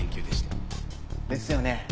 ですよね？